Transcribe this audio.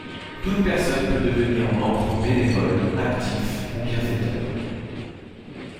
Toute personne peut devenir membre bénévole, actif ou bienfaiteur.